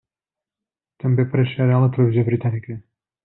També apareixerà a la televisió britànica.